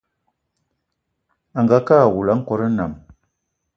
Angakë awula a nkòt nnam